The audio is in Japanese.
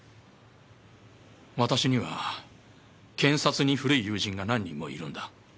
私には検察に古い友人が何人もいるんだ。